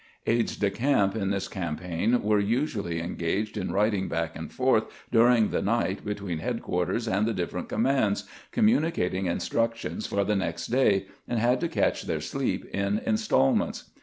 Aides de camp in this campaign were usually engaged in riding back and forth during the night between headquarters and the different commands, communicating instructions for the next day, and had to catch their sleep in instalments.